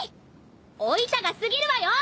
おイタが過ぎるわよ！